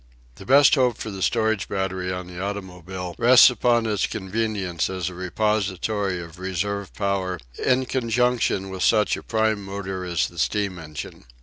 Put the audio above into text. The best hope for the storage battery on the automobile rests upon its convenience as a repository of reserve power in conjunction with such a prime motor as the steam engine.